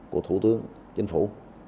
của thủ tướng chính phủ